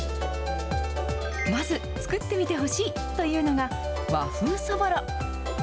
まず作ってみてほしいというのが、和風そぼろ。